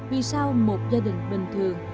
vì sao một gia đình bình thường